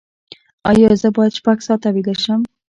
ایا زه باید شپږ ساعته ویده شم؟